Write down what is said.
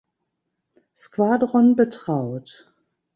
Squadron betraut.